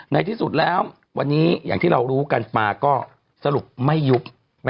ในที่สุดแล้ววันนี้อย่างที่เรารู้กันมาก็สรุปไม่ยุบ